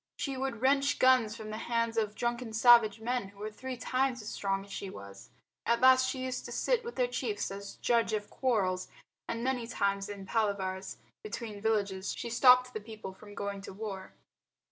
She would wrench guns from the hands of drunken savage men who were three times as strong as she was. At last she used to sit with their chief as judge of quarrels, and many times in palavers between villages she stopped the people from going to war.